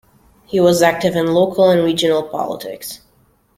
He was active in local and regional politics.